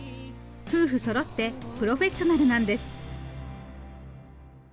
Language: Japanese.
夫婦そろってプロフェッショナルなんです。